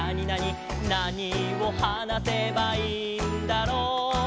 「なにをはなせばいいんだろう？」